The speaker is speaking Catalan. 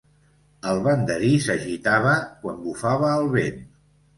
El banderí s'agitava quan bufava el vent.